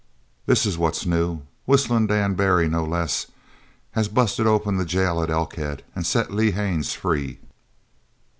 "This is what's new. Whistlin' Dan Barry no less has busted open the jail at Elkhead an' set Lee Haines free."